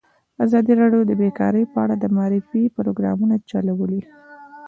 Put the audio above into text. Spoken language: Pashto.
ازادي راډیو د بیکاري په اړه د معارفې پروګرامونه چلولي.